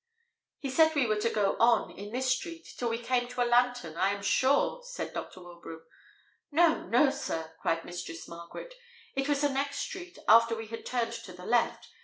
"He said we were to go on, in this street, till we came to a lantern, I am sure," said Dr. Wilbraham. "No, no, sir," cried Mistress Margaret; "it was the next street after we had turned to the left.